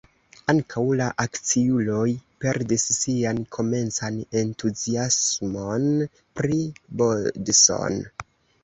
Ankaŭ la akciuloj perdis sian komencan entuziasmon pri Bodson.